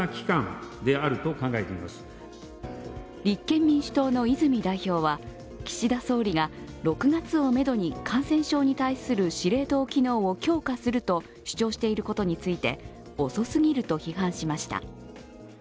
立憲民主党の泉代表は、岸田総理が６月をめどに感染症に対する司令塔機能を強化すると主張していることについて、遅すぎると批判しました。